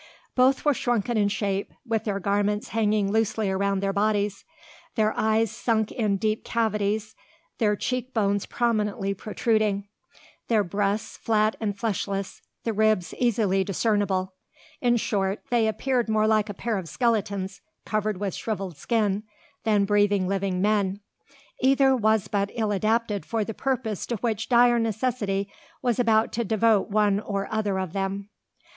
Both were shrunken in shape, with their garments hanging loosely around their bodies, their eyes sunk in deep cavities, their cheek bones prominently protruding, their breasts flat and fleshless, the ribs easily discernible, in short, they appeared more like a pair of skeletons, covered with shrivelled skin, than breathing, living men. Either was but ill adapted for the purpose to which dire necessity was about to devote one or other of them.